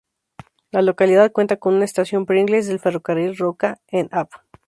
La localidad cuenta con una Estación Pringles del Ferrocarril Roca: en Av.